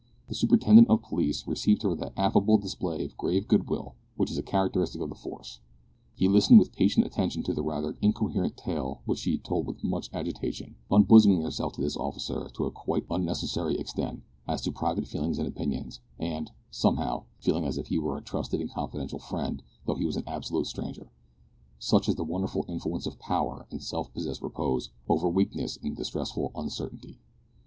The superintendent of police received her with that affable display of grave good will which is a characteristic of the force. He listened with patient attention to the rather incoherent tale which she told with much agitation unbosoming herself to this officer to a quite unnecessary extent as to private feelings and opinions, and, somehow, feeling as if he were a trusted and confidential friend though he was an absolute stranger such is the wonderful influence of Power in self possessed repose, over Weakness in distressful uncertainty!